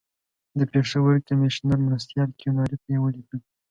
د پېښور کمیشنر مرستیال کیوناري ته یې ولیکل.